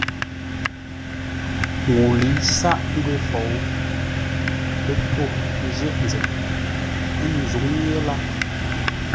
Ŋuu lə̌i sâʼ ngwě fou, pə́ tô ńjə̂ghʼ nzeʼ ye, ə́ nzǔŋ yé lâʼ.